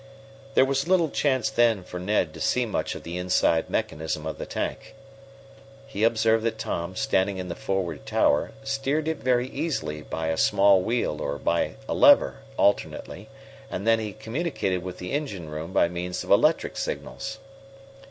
There was little chance then for Ned to see much of the inside mechanism of the tank. He observed that Tom, standing in the forward tower, steered it very easily by a small wheel or by a lever, alternately, and that he communicated with the engine room by means of electric signals.